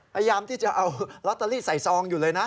พยายามที่จะเอาลอตเตอรี่ใส่ซองอยู่เลยนะ